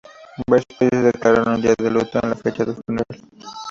Varios países declararon día de luto en la fecha del funeral.